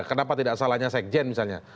kenapa tidak salahnya sekjen misalnya